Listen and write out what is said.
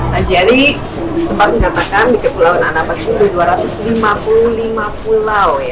tadi tadi sempat mengatakan di kepulauan anambas itu dua ratus lima puluh lima pulau ya